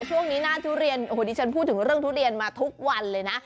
ช่วงนี้หน้าทุเรียนโอ้โหดิฉันพูดถึงเรื่องทุเรียนมาทุกวันเลยนะ